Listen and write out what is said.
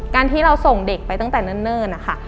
การที่เราส่งเด็กไปตั้งแต่เนิ่นนะคะ